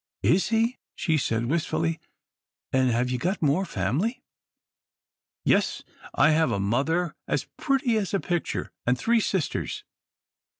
"Is he?" she said, wistfully, "an' have you got more family?" "Yes, I have a mother as pretty as a picture, and three sisters."